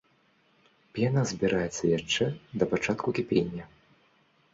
Пена збіраецца яшчэ да пачатку кіпення.